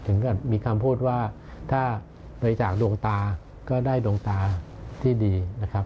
ก็มีคำพูดว่าถ้าบริจาคดวงตาก็ได้ดวงตาที่ดีนะครับ